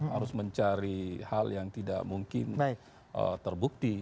harus mencari hal yang tidak mungkin terbukti